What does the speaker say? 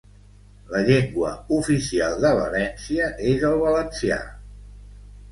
La llengua oficial de València és el valencià.